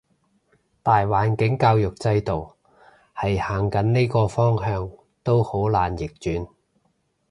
大環境教育制度係行緊呢個方向，都好難逆轉